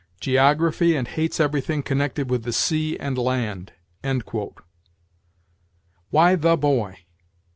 geography and hates everything connected with the sea and land." Why the boy?